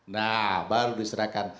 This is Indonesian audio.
nah baru diserahkan